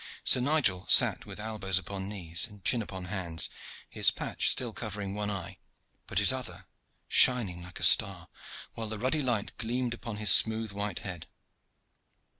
Sir Nigel sat with elbows upon knees, and chin upon hands, his patch still covering one eye, but his other shining like a star, while the ruddy light gleamed upon his smooth white head.